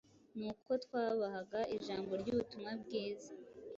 ni uko ubwo twabahaga ijambo ry’ubutumwa bwiza,